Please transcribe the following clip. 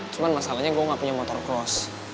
cuman masalahnya gue gak punya motocross